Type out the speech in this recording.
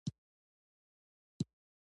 کله کله فرصت د يوې ضمني بدمرغۍ بڼه لري.